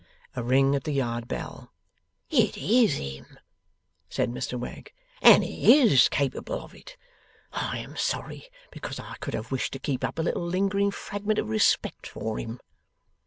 A ring at the yard bell. 'It is him,' said Mr Wegg, 'and he is capable of it. I am sorry, because I could have wished to keep up a little lingering fragment of respect for him.